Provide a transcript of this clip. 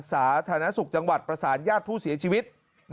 สาธารณสุขจังหวัดประสานญาติผู้เสียชีวิต